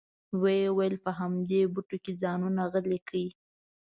وې ویل په همدې بوټو کې ځانونه غلي کړئ.